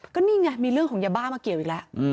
ก็นี่ไงมีเรื่องของยาบ้ามาเกี่ยวอีกแล้ว